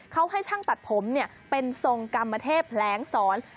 เขาให้ช่างตัดผมเป็นทรงกรรมเทพแผลงสอน